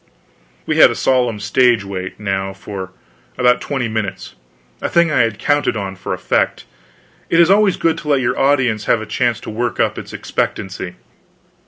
We had a solemn stage wait, now, for about twenty minutes a thing I had counted on for effect; it is always good to let your audience have a chance to work up its expectancy.